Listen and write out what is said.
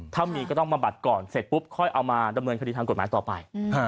ถ้ามีก็ต้องมาบัดก่อนเสร็จปุ๊บค่อยเอามาดำเนินคดีทางกฎหมายต่อไป